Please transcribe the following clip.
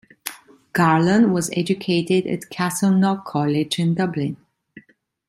Garland was educated at Castleknock College in Dublin.